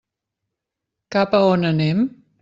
Cap a on anem?